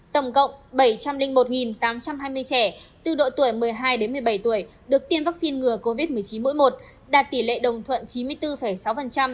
tổng cộng bảy trăm linh một tám trăm hai mươi trẻ từ độ tuổi một mươi hai đến một mươi bảy tuổi được tiêm vaccine ngừa covid một mươi chín mỗi một đạt tỷ lệ đồng thuận chín mươi bốn sáu